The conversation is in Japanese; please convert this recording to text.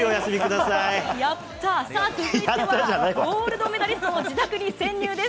さあ、続いては、ゴールドメダリストの自宅に潜入です。